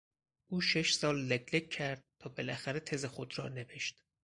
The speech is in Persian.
او شش سال لک لک کرد تا بالاخره تز خود را نوشت.